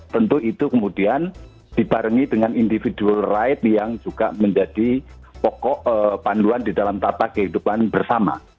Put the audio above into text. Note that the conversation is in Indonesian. tentu itu kemudian dibarengi dengan individual right yang juga menjadi pokok panduan di dalam tata kehidupan bersama